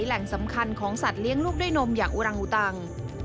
แหล่งสำคัญของสัตว์เลี้ยงลูกด้วยนมอย่างอุรังอุตัง